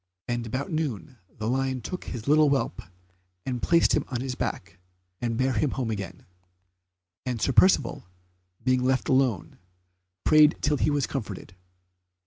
And about noon the lion took his little whelp, and placed him on his back, and bare him home again, and Sir Percivale, being left alone, prayed till he was comforted.